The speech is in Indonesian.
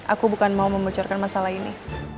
aku bukan mau membocorkan masalah ini